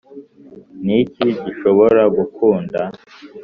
niki gishobora gukunda